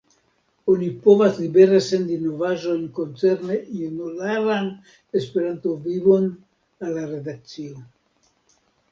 Oni povas libere sendi novaĵojn koncerne junularan Esperanto-vivon al la redakcio.